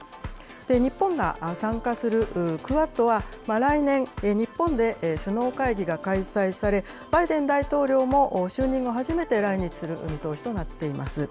日本が参加するクアッドは、来年、日本で首脳会議が開催され、バイデン大統領も就任後初めて、来日する見通しとなっています。